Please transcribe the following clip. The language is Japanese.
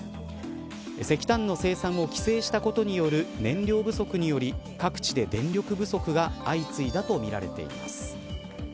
石炭の生産を規制したことによる燃料不足により各地で電力不足が相次いだとみられています。